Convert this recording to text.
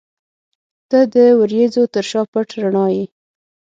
• ته د وریځو تر شا پټ رڼا یې.